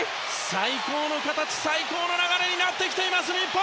最高の形最高の流れになっている日本！